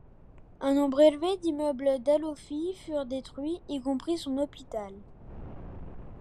Un nombre élevé d’immeubles d’Alofi furent détruits, y compris son hôpital.